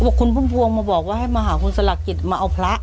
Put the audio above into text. บอกคุณพุ่มพวงมาบอกว่าให้มาหาคุณสลักกิจมาเอาพระ